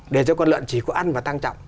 để cho con lợn chỉ có ăn và tăng trọng